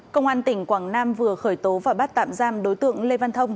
công an tỉnh quảng nam vừa khởi tố và bắt tạm giam đối tượng lê văn thông